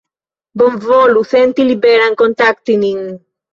Bonvolu senti liberan kontakti nin.